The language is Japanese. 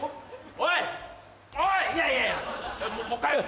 おい！